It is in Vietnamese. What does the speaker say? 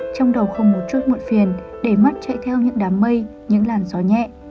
trong đầu không một chút muộn phiền để mắt chạy theo những đám mây những làn gió nhẹ